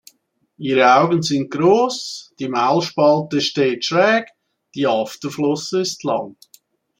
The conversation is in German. Ihre Augen sind groß, die Maulspalte steht schräg, die Afterflosse ist lang.